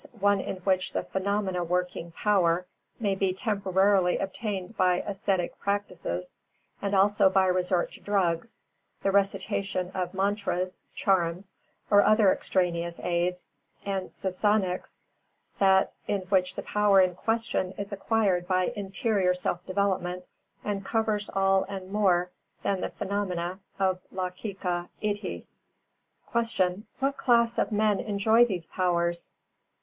_, one in which the phenomena working power may be temporarily obtained by ascetic practices and also by resort to drugs, the recitation of mantras (charms), or other extraneous aids; and Sasaniks, that in which the power in question is acquired by interior self development, and covers all and more than the phenomena of Laukika Iddhī. 368. Q. _What class of men enjoy these powers?